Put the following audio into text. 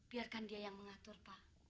biarkan dia yang mengatur pak